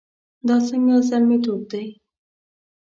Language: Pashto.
دا څنګه زلميتوب دی؟